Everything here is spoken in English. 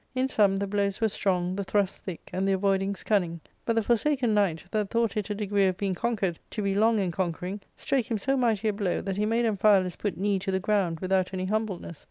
In sum, the blows were strong, the thrusts thick, and the avoidings cunning. But the Forsaken Knight, that thought it a degree of being conquered to be long in conquering, strake him so mighty a blow that he made Amphialus put knee to the ground without any humbleness.